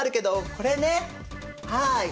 これねはい。